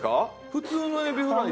普通のエビフライ。